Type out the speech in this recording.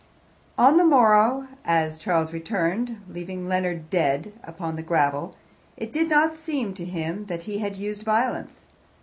On the morrow, as Charles returned, leaving Leonard dead upon the gravel, it did not seem to him that he had used violence.